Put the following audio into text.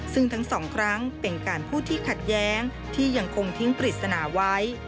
ซึ่งทั้งสองครั้งเป็นการพูดที่ขัดแย้งที่ยังคงทิ้งปริศนาไว้